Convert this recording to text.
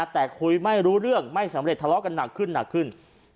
แต่คุยไม่รู้เรื่องไม่สำเร็จทะเลาะกันหนักขึ้นหนักขึ้น